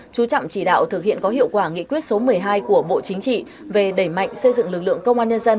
chú trọng chỉ đạo thực hiện có hiệu quả nghị quyết số một mươi hai của bộ chính trị về đẩy mạnh xây dựng lực lượng công an nhân dân